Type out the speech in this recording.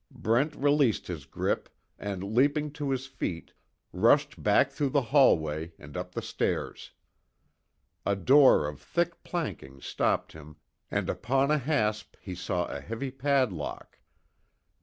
Brent released his grip and leaping to his feet rushed back through the hallway, and up the stairs. A door of thick planking stopped him and upon a hasp he saw a heavy padlock.